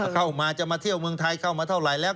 เข้ามาจะมาเที่ยวเมืองไทยเข้ามาเท่าไหร่แล้ว